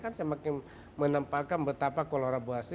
kan semakin menempatkan betapa kolaborasi